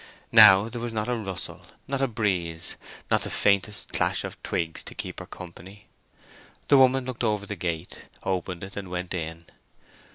Now there was not a rustle, not a breeze, not the faintest clash of twigs to keep her company. The woman looked over the gate, opened it, and went in.